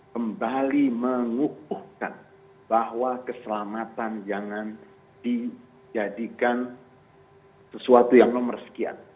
kembali mengukuhkan bahwa keselamatan jangan dijadikan sesuatu yang nomor sekian